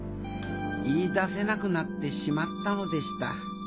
言いだせなくなってしまったのでした。